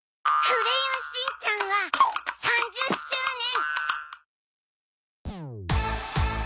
『クレヨンしんちゃん』は３０周年。